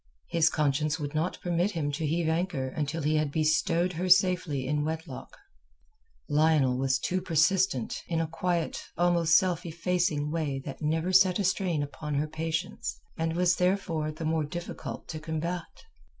His conscience would not permit him to heave anchor until he had bestowed her safely in wedlock. Lionel too was persistent, in a quiet, almost self effacing way that never set a strain upon her patience, and was therefore the more difficult to combat.